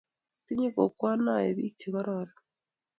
tinyei kokwenoe biik che kororon